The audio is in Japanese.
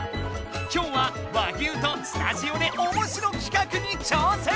今日は和牛とスタジオでおもしろ企画に挑戦！